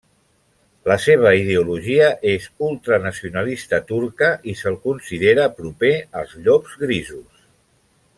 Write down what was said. La seva ideologia és ultranacionalista turca i se'l considera proper als Llops Grisos.